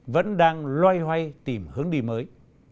vẫn đang loay hoay tìm hướng đi mới